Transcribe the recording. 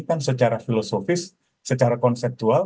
kan secara filosofis secara konseptual